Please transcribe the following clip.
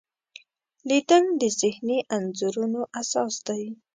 لیدل د ذهني انځورونو اساس دی